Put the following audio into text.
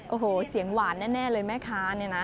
โอ้โหเสียงหวานแน่เลยแม่ค้าเนี่ยนะ